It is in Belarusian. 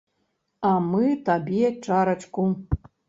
А мы табе чарачку.